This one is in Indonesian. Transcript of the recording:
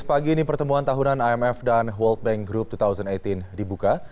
pagi ini pertemuan tahunan imf dan world bank group dua ribu delapan belas dibuka